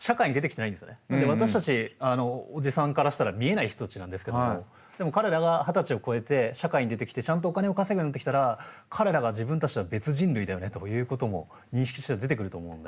なので私たちおじさんからしたら見えない人たちなんですけどもでも彼らが二十歳を超えて社会に出てきてちゃんとお金を稼ぐようになってきたら彼らが自分たちとは別人類だよねということも認識としては出てくると思うんで。